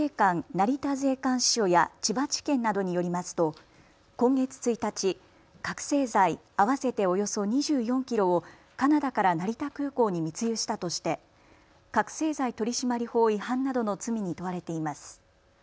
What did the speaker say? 成田税関支署や千葉地検などによりますと今月１日、覚醒剤合わせておよそ２４キロをカナダから成田空港に密輸したとして覚醒剤取締法違反などの罪に問われています。